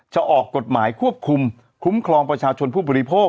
จะออกกฎหมายควบคุมคุ้มครองประชาชนผู้บริโภค